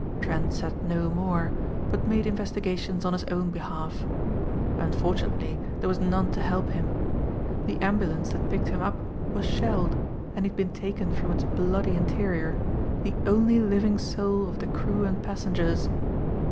Trent said no more but made investigations on his own behalf. Unfortunately there was none to help him. The ambulance that picked him up was shelled and he had been taken from its bloody interior the only living soul of the crew and passengers.